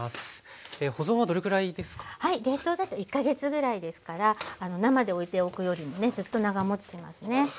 冷凍だと１か月ぐらいですから生でおいておくよりもねずっと長もちしますね。